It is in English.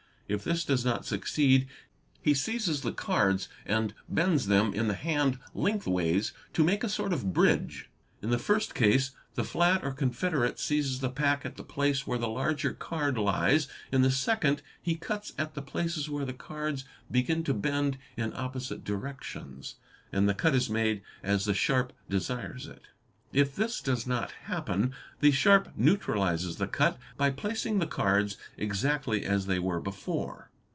If this does not succeed he seizes the cards and bends them in the hand length ways to make a sort of bridge. In the first case the flat or confederate seizes the pack at the place where the larger card lies; in the second he cuts at the places where the cards begin to bend in opposite directions— and the cut is made as the sharp desires it. If this does not happen, the sharp neutralises the cut by placing the cards exactly as they were before.